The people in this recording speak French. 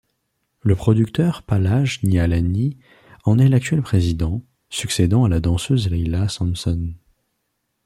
Le producteur Pahlaj Nihalani en est l'actuel président, succédant à la danseuse Leela Samson.